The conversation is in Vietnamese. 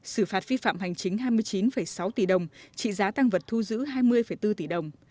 xử phạt vi phạm hành chính hai mươi chín sáu tỷ đồng trị giá tăng vật thu giữ hai mươi bốn tỷ đồng